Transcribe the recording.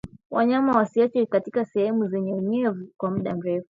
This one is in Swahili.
Wanyama wasiachwe katika sehemu zenye unyevu kwa muda mrefu